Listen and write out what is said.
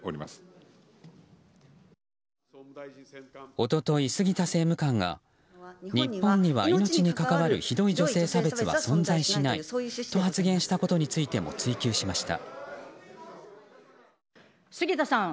一昨日、杉田政務官が日本には命に関わるひどい差別は存在しないと発言したことについても追及しました。